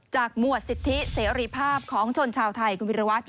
หมวดสิทธิเสรีภาพของชนชาวไทยคุณวิรวัต